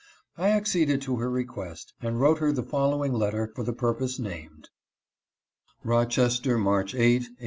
I acceded to her request and wrote her the following letter for the purpose named : Rochester, March 8, 1853.